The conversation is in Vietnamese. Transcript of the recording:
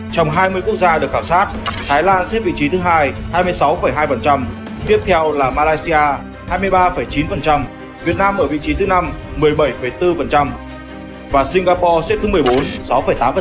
trong hai mươi quốc gia được khảo sát thái lan xếp vị trí thứ hai hai mươi sáu hai tiếp theo là malaysia hai mươi ba chín việt nam ở vị trí thứ năm một mươi bảy bốn và singapore xếp thứ một mươi bốn sáu tám